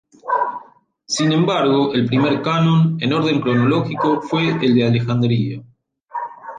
Sin embargo el primer canon, en orden cronológico, fue el de Alejandría.